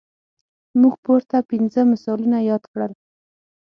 موږ پورته پنځه مثالونه یاد کړل.